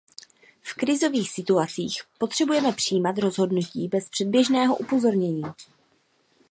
V krizových situacích potřebujeme přijímat rozhodnutí bez předběžného upozornění.